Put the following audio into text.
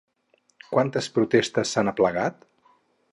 Quantes protestes s'han aplegat?